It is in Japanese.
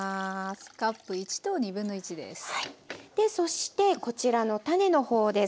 そしてこちらの種の方です。